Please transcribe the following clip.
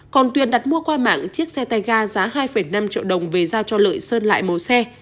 còn tuyền đặt mua qua mạng chiếc xe tay ga giá hai năm triệu đồng về giao cho lợi sơn lại màu xe